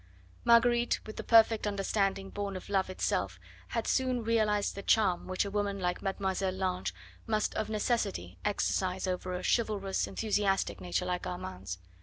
Marguerite, with the perfect understanding born of love itself, had soon realised the charm which a woman like Mademoiselle Lange must of necessity exercise over a chivalrous, enthusiastic nature like Armand's.